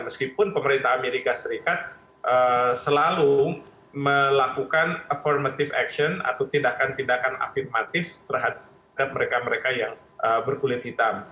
meskipun pemerintah amerika serikat selalu melakukan affirmative action atau tindakan tindakan afirmatif terhadap mereka mereka yang berkulit hitam